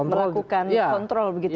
merakukan kontrol begitu ya